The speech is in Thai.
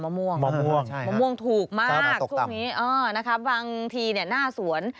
มะม่วงใช่ครับตกต่ำมะม่วงถูกมากบางทีหน้าสวน